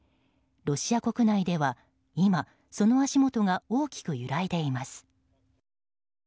ロシア国内では今、その足元が大きく揺らいでいます。